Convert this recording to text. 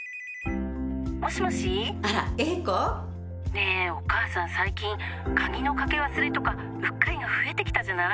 ☎ねぇお母さん最近鍵の掛け忘れとかうっかりが増えてきたじゃない？